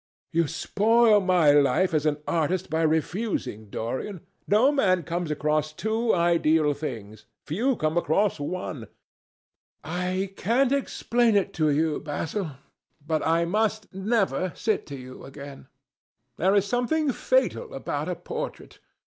"You spoil my life as an artist by refusing, Dorian. No man comes across two ideal things. Few come across one." "I can't explain it to you, Basil, but I must never sit to you again. There is something fatal about a portrait.